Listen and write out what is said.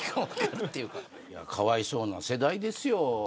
かわいそうな世代ですよ。